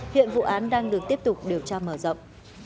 hiện vụ án đang được tiếp tục điều tra mở rộng